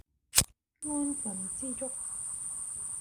安分知足